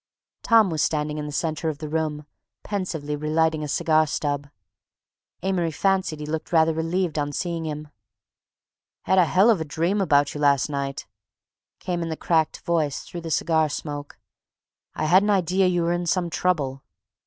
Tom was standing in the centre of the room, pensively relighting a cigar stub. Amory fancied he looked rather relieved on seeing him. "Had a hell of a dream about you last night," came in the cracked voice through the cigar smoke. "I had an idea you were in some trouble."